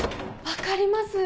分かります！